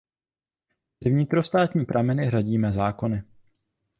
Mezi vnitrostátní prameny řadíme zákony.